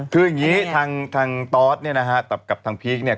คืออย่างนี้ทางตอสเนี่ยนะฮะกับทางพีคเนี่ย